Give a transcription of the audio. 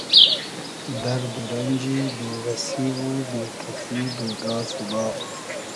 دئرد و رئنجی بې وئسی و بې کئسی بېگا سوبا